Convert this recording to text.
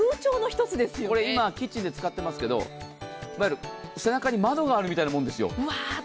これ今、キッチンで使っていますけど、背中に窓があるみたいですよ。